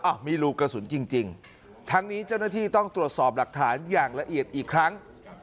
มีรูกระสุนจริงทั้งนี้เจ้าหน้าที่ต้องตรวจสอบหลักฐานอย่างละเอียดอีกครั้ง